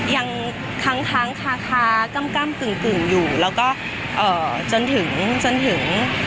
ยังค้างค้างค้าค้ากล้ำกล้ำกึ่งกึ่งอยู่แล้วก็เอ่อจนถึงจนถึง